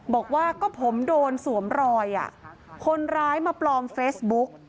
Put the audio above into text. บอกว่าก็ผมโดนสวมรอยคนร้ายมาปลอมเฟซบุ๊ก